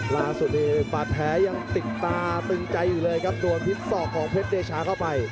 ล่าสุดนี้บาดแผลยังติดตาตึงใจอยู่เลยครับโดนพิษศอกของเพชรเดชาเข้าไป